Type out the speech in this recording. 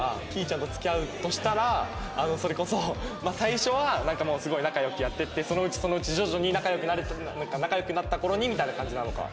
ちゃんと付き合うとしたらそれこそ最初はもうすごい仲良くやっててそのうちそのうち徐々に仲良くなった頃にみたいな感じなのか。